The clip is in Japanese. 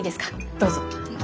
どうぞ。